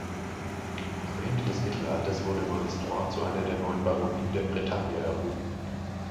Am Ende des Mittelalters wurde Malestroit zu einer der neun Baronien der Bretagne erhoben.